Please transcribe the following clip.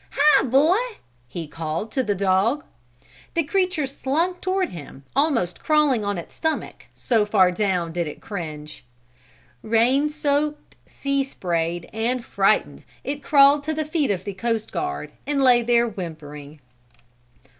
Hi, boy!" he called to the dog. The creature slunk toward him, almost crawling on its stomach so far down did it cringe. Rain soaked, sea sprayed and frightened it crawled to the feet of the coast guard, and lay there whimpering.